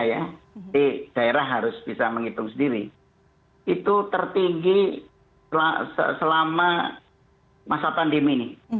ini daerah harus bisa menghitung sendiri itu tertinggi selama masa pandemi ini